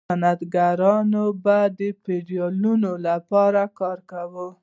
صنعتکارانو به د فیوډالانو لپاره کار کاوه.